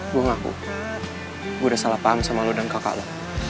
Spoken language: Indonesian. gue ngaku gue udah salah paham sama lo dan kakak lo